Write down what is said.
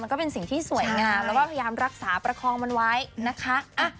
ก็เป็นสิ่งที่สวยงามแล้วก็พยายามรักษาประคองมันไว้นะคะ